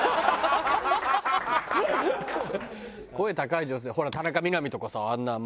声高い女性ほら田中みな実とかさあん